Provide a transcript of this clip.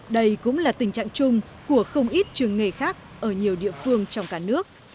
đây cũng là tình trạng chung của không ít trường nghề khác ở nhiều địa phương trong cả nước